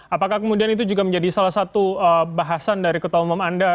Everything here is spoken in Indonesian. apakah kemudian itu juga menjadi salah satu bahasan dari ketua umum anda